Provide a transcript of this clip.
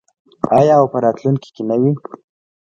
آیا او په راتلونکي کې نه وي؟